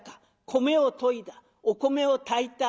米をといだお米を炊いた。